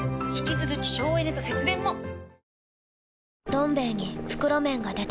「どん兵衛」に袋麺が出た